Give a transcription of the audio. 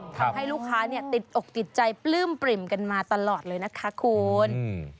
ทำให้ลูกค้าเนี่ยติดอกติดใจปลื้มปริ่มกันมาตลอดเลยนะคะคุณ